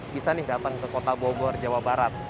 bisa nih datang ke kota bogor jawa barat